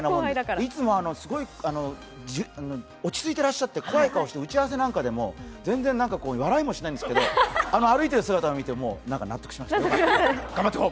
いつもすごい落ち着いてらっしゃって、怖い顔して打ち合わせなんかでも全然笑いもしないんですけど歩いている姿を見て、納得しましたよかった、頑張ってよ！